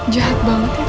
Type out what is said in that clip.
jahat banget ya tante